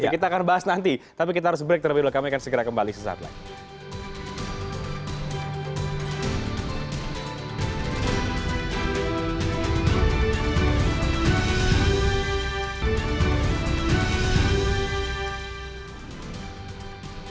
kita akan bahas nanti tapi kita harus break terlebih dahulu kami akan segera kembali sesaat lagi